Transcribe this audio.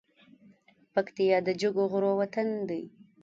پکتيا د جګو غرو وطن دی